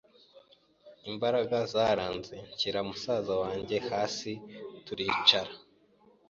imbaraga zaranze nshyira musaza wanjye hasi turicara,